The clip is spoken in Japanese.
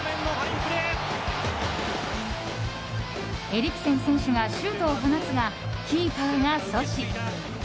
エリクセン選手がシュートを放つがキーパーが阻止。